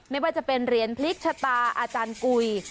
ไม่ว่าจะเป็นเหรียญพลิกชะตาอาจารย์กุย